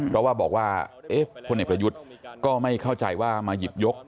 เพราะว่าบอกว่าพลเอกประยุทธ์ก็ไม่เข้าใจว่ามาหยิบยก